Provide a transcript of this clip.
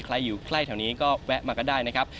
อยู่ใกล้แถวนี้ก็แวะมาก็ได้นะครับ